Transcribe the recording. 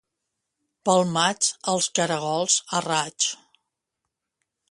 Pel maig, els caragols a raig.